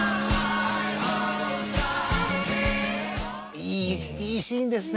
いいいいシーンですね。